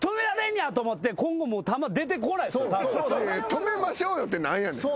止めましょうよって何やねん。